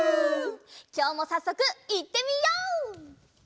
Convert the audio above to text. きょうもさっそくいってみよう！